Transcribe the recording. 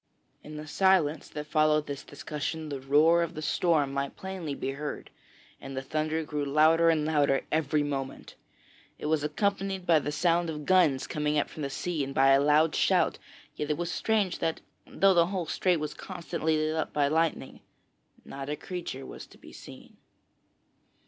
In the silence that followed this discussion, the roar of the storm might plainly be heard, and the thunder grew louder and louder every moment. It was accompanied by the sound of guns coming up from the sea and by a loud shout, yet it was strange that, though the whole strait was constantly lit up by lightning, not a creature was to be seen.